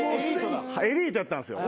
エリートやったんすよ。